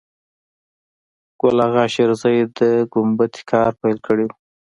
ګل آغا شېرزی د ګومبتې کار پیل کړی و.